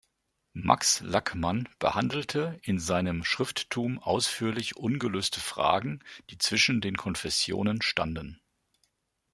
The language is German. Max Lackmann behandelte in seinem Schrifttum ausführlich ungelöste Fragen, die zwischen den Konfessionen standen.